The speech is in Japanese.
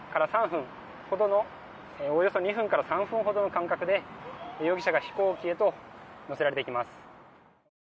およそ２分から３分ほどの間隔で容疑者が飛行機へと乗せられていきます。